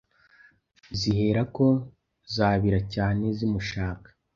zihera ko zabira cyane zimushaka